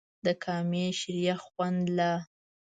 د کامې شریخ خوند لا